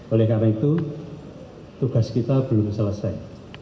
oleh karena itu tugas kita belum selesai